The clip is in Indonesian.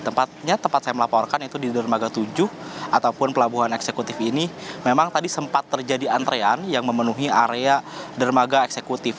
tempatnya tempat saya melaporkan itu di dermaga tujuh ataupun pelabuhan eksekutif ini memang tadi sempat terjadi antrean yang memenuhi area dermaga eksekutif